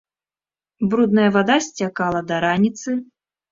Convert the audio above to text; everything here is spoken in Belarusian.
Брудная вада сцякала да раніцы.